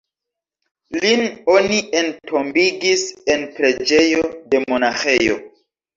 Lin oni entombigis en preĝejo de monaĥejo.